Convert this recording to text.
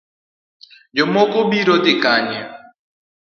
Jomoko biro dhi kanye?